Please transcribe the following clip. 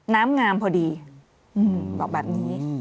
น้ำงามพอดีบอกแบบนี้